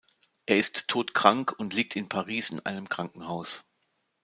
Er ist todkrank und liegt in Paris in einem Krankenhaus.